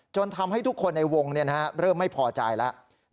ทำให้ทุกคนในวงเริ่มไม่พอใจแล้ว